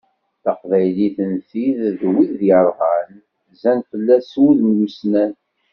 Taqbaylit n tid d wid irɣan, zzan fell-as s wudem usnan.